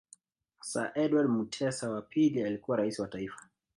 Sir Edward Mutesa wa pili alikuwa Rais wa Taifa